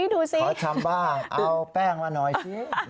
ขอชำบ้างเอาแป้งมาหน่อยซิ